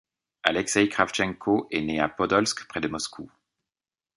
Alekseï Kravtchenko est né à Podolsk près de Moscou.